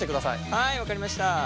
はい分かりました。